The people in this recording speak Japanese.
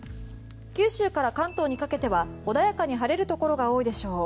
九州から関東にかけては穏やかに晴れるところが多いでしょう。